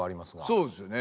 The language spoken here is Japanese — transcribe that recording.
そうですよね。